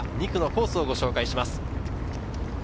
２区のコースをご紹介します。